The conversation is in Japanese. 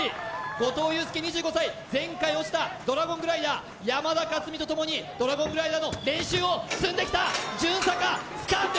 後藤祐輔２５歳前回落ちたドラゴングライダー山田勝己とともにドラゴングライダーの練習を積んできたおーいった！